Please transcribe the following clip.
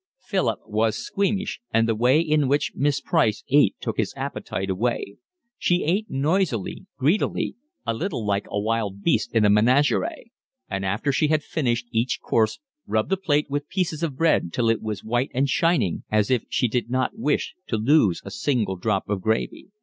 Philip was squeamish, and the way in which Miss Price ate took his appetite away. She ate noisily, greedily, a little like a wild beast in a menagerie, and after she had finished each course rubbed the plate with pieces of bread till it was white and shining, as if she did not wish to lose a single drop of gravy.